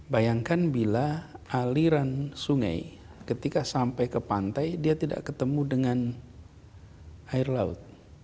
bayangkan bila aliran sungai ketika sampai ke pantai dia tidak ketemu dengan air laut